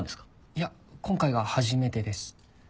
いや今回が初めてです。